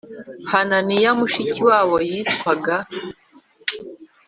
Hananiya mushiki wabo yitwaga